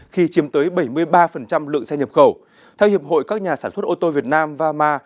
khi chiếm tới bảy mươi ba lượng xe nhập khẩu theo hiệp hội các nhà sản xuất ô tô việt nam vama